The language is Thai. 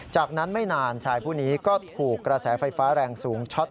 จากนั้นไม่นานชายผู้นี้ก็ถูกกระแสไฟฟ้าแรงสูงช็อต